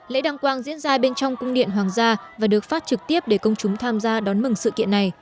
lễ đăng quang diễn ra bên trong cung điện hoàng gia và được phát trực tiếp để công chúng tham gia đón mừng sự kiện này